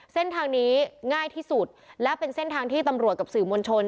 เส้นทางนี้ง่ายที่สุดและเป็นเส้นทางที่ตำรวจกับสื่อมวลชน